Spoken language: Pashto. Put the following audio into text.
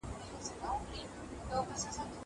هغه څوک چي قلمان پاکوي روغ وي.